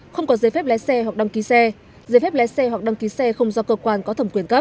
không có giấy phép lái xe hoặc đăng ký xe giấy phép lái xe hoặc đăng ký xe không do cơ quan có thẩm quyền cấp